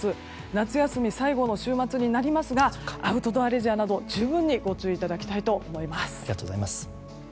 夏休み最後の週末になりますがアウトドアレジャーなど十分にご注意いただきたいと思います。